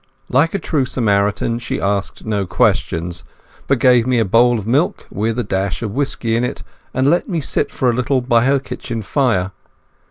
Like a true Samaritan she asked no questions, but gave me a bowl of milk with a dash of whisky in it, and let me sit for a little by her kitchen fire.